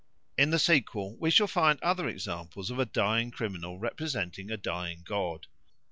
In the sequel we shall find other examples of a dying criminal representing a dying god.